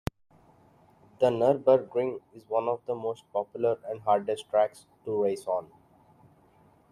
The Nurburgring is one of the most popular and hardest tracks to race on.